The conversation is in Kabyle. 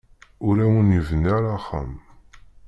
Ur awen-yebni ara axxam.